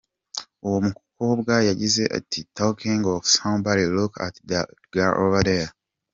Uwo mukobwa yagize ati “Talking of somebody, look at that girl over there".